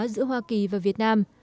giữa hoa kỳ và việt nam